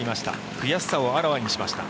悔しさをあらわにしました。